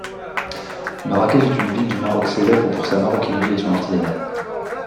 Marrakesh est une ville du Maroc célèbre pour sa maroquinerie et son artisanat.